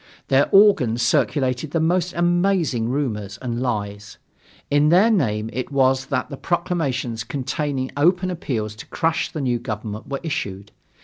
Their organs circulated the most amazing rumors and lies. In their name it was that the proclamations containing open appeals to crush the new government were issued.